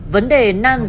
vấn đề năng dạng